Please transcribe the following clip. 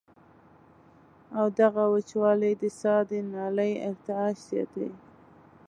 او دغه وچوالی د ساه د نالۍ ارتعاش زياتوي